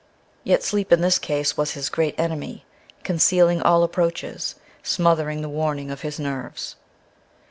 Yet sleep, in this case, was his great enemy, concealing all approaches, smothering the warning of his nerves.